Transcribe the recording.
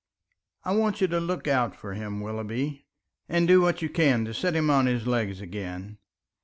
I want you to look out for him, Willoughby, and do what you can to set him on his legs again.